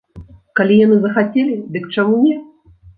Калі яны захацелі, дык чаму не?